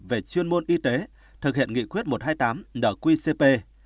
về chuyên môn y tế thực hiện nghị quyết một trăm hai mươi tám nqcp